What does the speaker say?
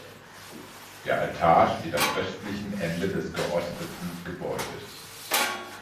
Der Altar steht am östlichen Ende des geosteten Gebäudes.